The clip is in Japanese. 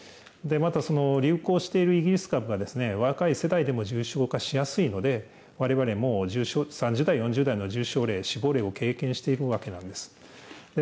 また流行しているイギリス株が、若い世代でも重症化しやすいので、われわれも３０代、４０代の重症例、死亡例を経験しているわけなんです。